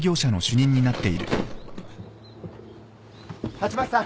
・鉢巻さん。